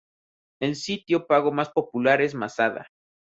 El sitio pago más popular es Masada.